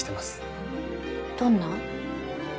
どんな？